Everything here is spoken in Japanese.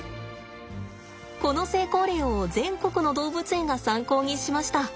この成功例を全国の動物園が参考にしました。